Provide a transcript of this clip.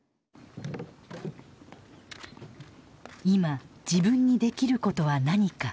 今自分にできることは何か。